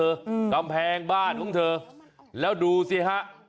อืมกำแพงบ้านของเธอแล้วดูสิฮะ